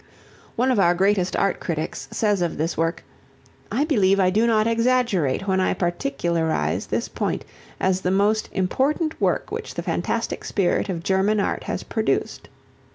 One of our greatest art critics says of this work, "I believe I do not exaggerate when I particularize this point as the most important work which the fantastic spirit of German Art has produced."